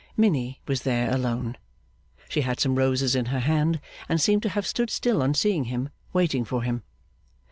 Minnie was there, alone. She had some roses in her hand, and seemed to have stood still on seeing him, waiting for him.